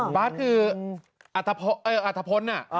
บาร์ดคืออัธพร